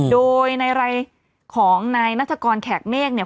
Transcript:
โดยในรายของนายนัฐกรแขกเมฆเนี่ย